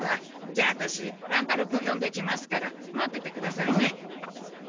じゃあワタシ乱太郎君をよんできますから待っててくださいね。